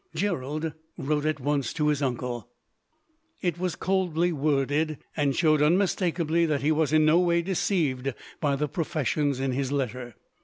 Gerald wrote at once to his uncle. It was coldly worded, and showed unmistakably that he was, in no way, deceived by the professions in his letter.